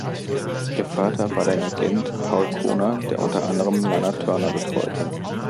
Ihr Vater war der Agent Paul Kohner, der unter anderem Lana Turner betreute.